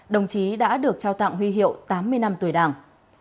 đồng chí đã được trao tặng huy hiệu tám mươi năm tuổi đảng